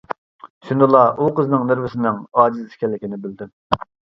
شۇندىلا ئۇ قىزنىڭ نېرۋىسىنىڭ ئاجىز ئىكەنلىكىنى بىلدىم.